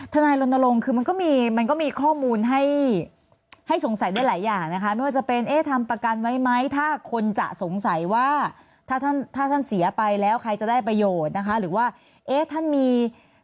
นายรณรงค์คือมันก็มีมันก็มีข้อมูลให้ให้สงสัยได้หลายอย่างนะคะไม่ว่าจะเป็นเอ๊ะทำประกันไว้ไหมถ้าคนจะสงสัยว่าถ้าท่านถ้าท่านเสียไปแล้วใครจะได้ประโยชน์นะคะหรือว่าเอ๊ะท่านมี